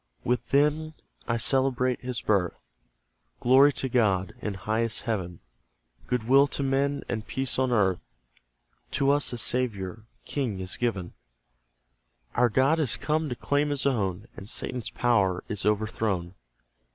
With them I celebrate His birth Glory to God, in highest Heaven, Good will to men, and peace on earth, To us a Saviour king is given; Our God is come to claim His own, And Satan's power is overthrown!